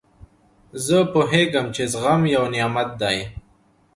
زه پوهېږم، چي زغم یو نعمت دئ.